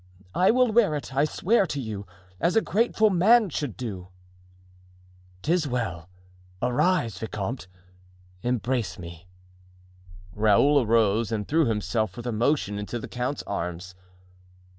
I will wear it, I swear to you, as a grateful man should do." "'Tis well; arise, vicomte, embrace me." Raoul arose and threw himself with emotion into the count's arms.